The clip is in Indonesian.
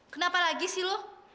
kenapa lagi sih lo